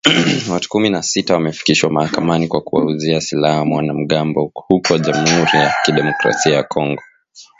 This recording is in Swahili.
Watu kumi na sita wamefikishwa mahakamani kwa kuwauzia silaha wanamgambo huko Jamuhuri ya Kidemokrasia ya Kongo